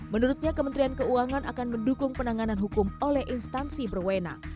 menurutnya kementerian keuangan akan mendukung penanganan hukum oleh instansi berwenang